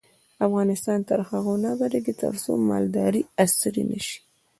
افغانستان تر هغو نه ابادیږي، ترڅو مالداري عصري نشي.